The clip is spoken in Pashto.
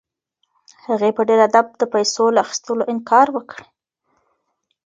هغې په ډېر ادب د پیسو له اخیستلو انکار وکړ.